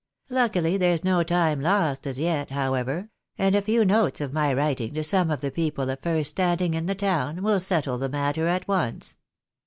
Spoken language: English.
Luckily there's no time lost as yet, however, and a few notes of my writing to some of the people of first standing in the town, will settle the matter at once."